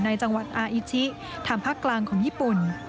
ในจังหวัดอาอิชิทางภาคกลางของญี่ปุ่น